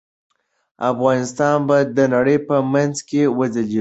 افغانستان به د نړۍ په منځ کې وځليږي.